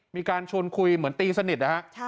มีการชนคุยเหมือนตีสนิท